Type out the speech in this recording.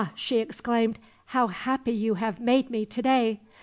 she exclaimed. "How happy you have made me, today!